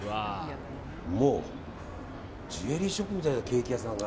もう、ジュエリーショップみたいなケーキ屋さんが。